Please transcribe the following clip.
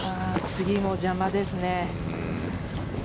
次も邪魔ですね。